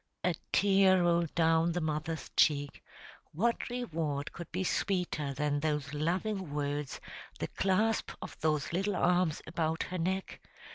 A tear rolled down the mother's cheek. What reward could be sweeter than those loving words, the clasp of those little arms about her neck?